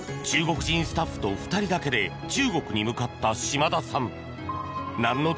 中国人スタッフと２人だけで中国に向かった島田さん。